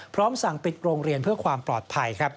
พร้อมสั่งปิดโรงเรียนเพื่อความปลอดภัย